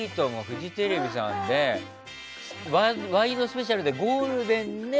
フジテレビさんでワイドスペシャル、ゴールデンで